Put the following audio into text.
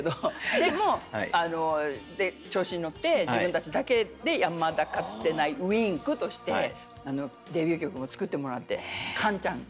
でも調子に乗って自分たちだけでやまだかつてないＷＩＮＫとしてデビュー曲も作ってもらってＫＡＮちゃんに。